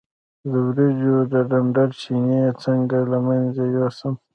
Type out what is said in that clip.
د وریجو د ډنډر چینجی څنګه له منځه یوسم؟